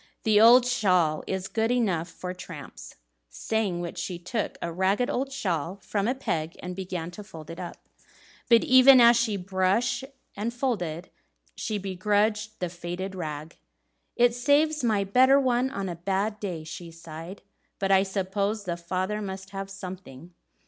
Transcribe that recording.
The old shawl is good enough for tramps." Saying which she took a ragged old shawl from a peg, and began to fold it up. But even as she brushed and folded, she begrudged the faded rag. "It saves my better one on a bad day," she sighed; "but I suppose the father must have something."